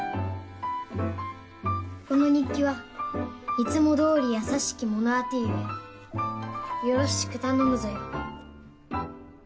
この日記はいつもどおり優しき者宛てゆえよろしく頼むぞよ。